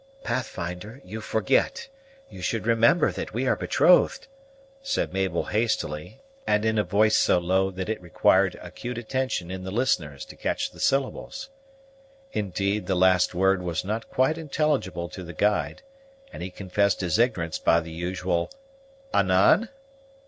"Pathfinder, you forget; you should remember that we are betrothed!" said Mabel hastily, and in a voice so low that it required acute attention in the listeners to catch the syllables. Indeed the last word was not quite intelligible to the guide, and he confessed his ignorance by the usual, "Anan?"